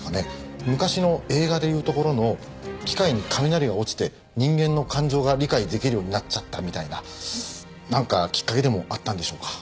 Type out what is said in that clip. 昔の映画でいうところの機械に雷が落ちて人間の感情が理解できるようになっちゃったみたいななんかきっかけでもあったんでしょうか？